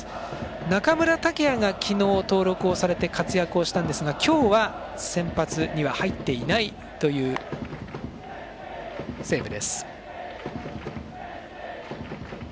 中村剛也が昨日登録をされて活躍をしたんですが今日は先発には入っていないという西武です。